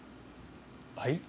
はい？